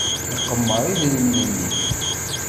Iqemmer idrimen-nni.